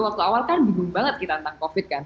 waktu awal kan bingung banget kita tentang covid kan